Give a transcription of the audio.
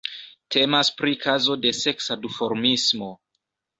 Temas pri kazo de seksa duformismo.